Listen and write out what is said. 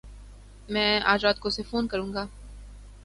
میں اج رات کو اسے فون کروں گا